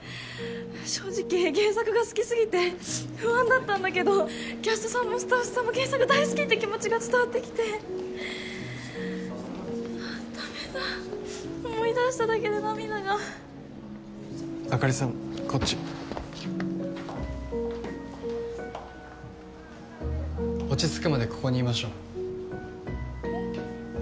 正直原作が好きすぎて不安だったんだけどキャストさんもスタッフさんも原作大好きって気持ちが伝わってきてあっダメだ思い出しただけで涙があかりさんこっち落ち着くまでここにいましょうえっ？